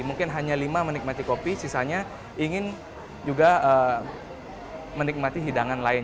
mungkin hanya lima menikmati kopi sisanya ingin juga menikmati hidangan lain